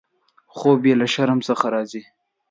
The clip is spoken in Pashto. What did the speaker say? خوب یې له شرم څخه راځي.